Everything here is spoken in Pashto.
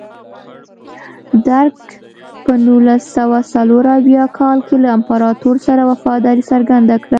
درګ په نولس سوه څلور اویا کال کې له امپراتور سره وفاداري څرګنده کړه.